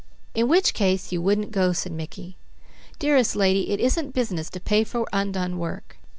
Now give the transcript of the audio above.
"In which case you wouldn't go," said Mickey. "Dearest lady, it isn't business to pay for undone work."